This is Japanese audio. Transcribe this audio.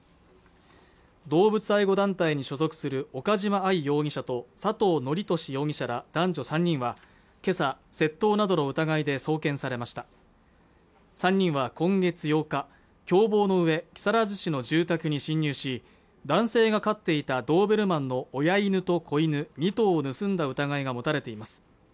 動物愛護団体に所属する岡島愛容疑者と佐藤徳寿容疑者ら男女３人はけさ窃盗などの疑いで送検されました３人は今月８日共謀のうえ木更津市の住宅に侵入し男性が飼っていたドーベルマンの親犬と子犬２頭を盗んだ疑いが持たれています